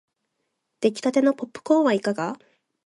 できたてのポップコーンはいかが